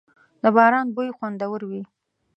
• د باران بوی خوندور وي.